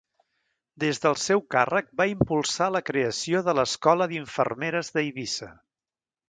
Des del seu càrrec va impulsar la creació de l'Escola d'Infermeres d'Eivissa.